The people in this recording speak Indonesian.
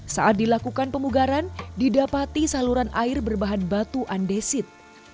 saat dilakukan pemugaran didapati saluran air berbahan batu andesit